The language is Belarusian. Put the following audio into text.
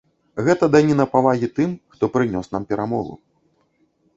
Гэта даніна павагі тым, хто прынёс нам перамогу.